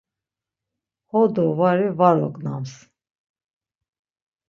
Ho do vari, var ognams.